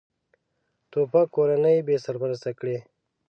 توپک کورنۍ بېسرپرسته کړي.